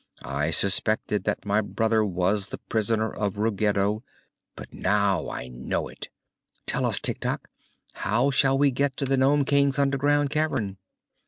"I suspected that my brother was the prisoner of Ruggedo; but now I know it. Tell us, Tik Tok, how shall we get to the Nome King's underground cavern?"